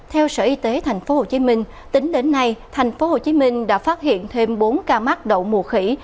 theo sở y tế tp hcm tính đến nay tp hcm đã phát hiện thêm bốn ca mắc đậu mùa khỉ